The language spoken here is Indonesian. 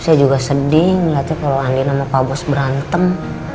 saya juga sedih ngeliatnya kalau andin sama pak bos berantem